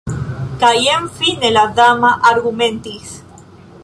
Kaj jen fine la dama argumentis.